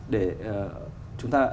để chúng ta